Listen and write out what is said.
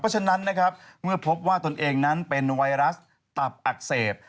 เพราะฉะนั้นนะครับเมื่อพบว่าตนเองนั้นเป็นไวรัสตับอักเสบ